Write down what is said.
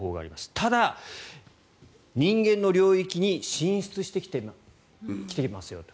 ただ、人間の領域に進出してきていますと。